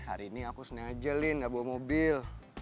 hari ini aku senang aja lin gak bawa mobil